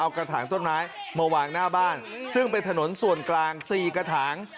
เอากระถางต้นไม้มาวางหน้าบ้านซึ่งเป็นถนนส่วนกลาง๔กระถาง